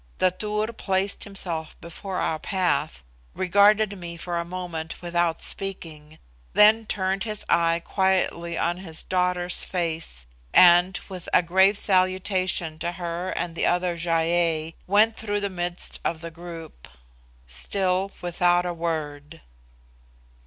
The Tur placed himself before our path, regarded me for a moment without speaking, then turned his eye quietly on his daughter's face, and, with a grave salutation to her and the other Gy ei, went through the midst of the group, still without a word.